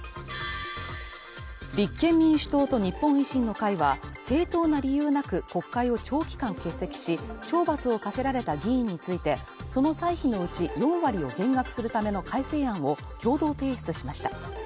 立憲民主党と日本維新の会は、正当な理由なく国会を長期間欠席し、懲罰を課せられた議員について、その歳費のうち４割を減額するための改正案を共同提出しました。